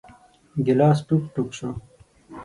ګیلاس ټوک ، ټوک شو .